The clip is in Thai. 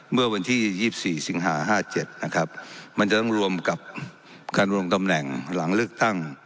เมื่อวันที่๒๔สิงหา๕๗นะครับมันจะต้องรวมกับการลงตำแหน่งหลังเลือกตั้ง